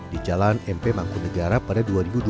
di jalan mp mangkunegara pada dua ribu dua puluh